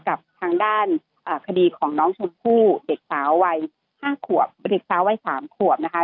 กับทางด้านคดีของน้องช้นผู้เด็กสาววัยสามขวบนะคะ